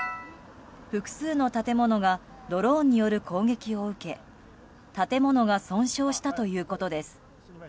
複数の建物がドローンによる攻撃を受け建物が損傷したということです。